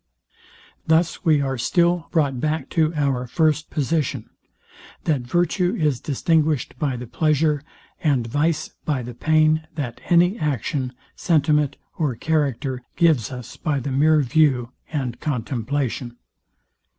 Thus we are still brought back to our first position, that virtue is distinguished by the pleasure, and vice by the pain, that any action, sentiment or character gives us by the mere view and contemplation.